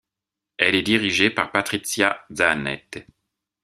Elle est dirigée par Patrizia Zanette.